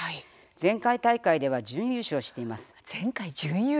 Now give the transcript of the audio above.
前回大会では準優勝しています。